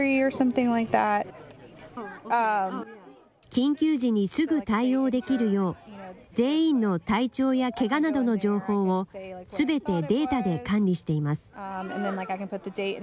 緊急時にすぐ対応できるよう、全員の体調やけがなどの情報を、すべてデータで管理しています。